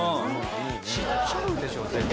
知っちゃうでしょ絶対。